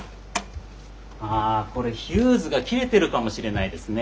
ああこれヒューズが切れてるかもしれないですね。